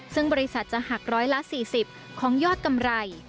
ซึ่งบริษัทจะหักร้อยละ๔๐ของยอดกำไร